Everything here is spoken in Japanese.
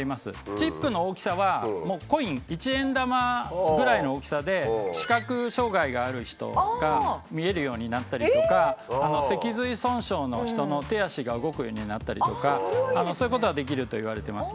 チップの大きさはコイン一円玉ぐらいの大きさで視覚障害がある人が見えるようになったりとか脊髄損傷の人の手足が動くようになったりとかそういうことはできるといわれてます。